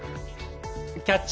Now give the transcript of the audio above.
「キャッチ！